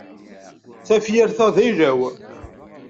Tafyirt-a d ayla-w.